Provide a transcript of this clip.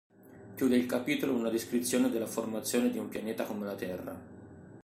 Chiude il capitolo una descrizione della formazione di un pianeta come la terra.